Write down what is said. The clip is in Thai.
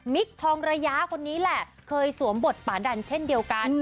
ทองระยะคนนี้แหละเคยสวมบทป่าดันเช่นเดียวกัน